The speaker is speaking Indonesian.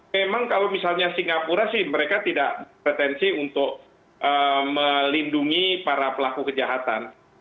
memang kalau misalnya singapura sih mereka tidak bertensi untuk melindungi para pelaku kejahatan